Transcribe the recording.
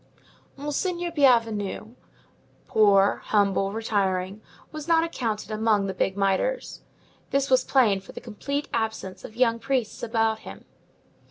Monseigneur Bienvenu, poor, humble, retiring, was not accounted among the big mitres. This was plain from the complete absence of young priests about him.